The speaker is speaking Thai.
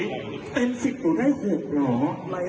กรรมการพิษจะทำไมเอาปืนทำไม